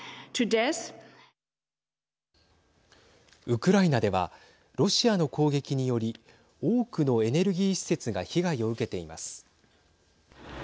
ウクライナではロシアの攻撃により多くのエネルギー施設が被害を受けています。